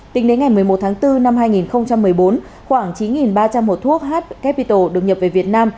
tính đến ngày một mươi một tháng bốn năm hai nghìn một mươi bốn khoảng chín ba trăm linh hộp thuốc h capital được nhập về việt nam